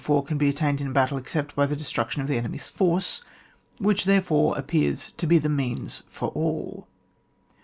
4 can be attained in battle, except by the destruction of the enemy's force, which, therefore, appears to be the means for all.